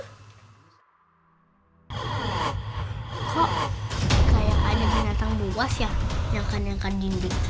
kok kayak ada binatang buas yang nyangkan nyangkan jinding